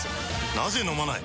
なぜ飲まない？